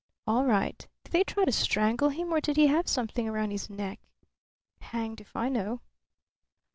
"All right. Did they try to strangle him or did he have something round his neck?" "Hanged if I know."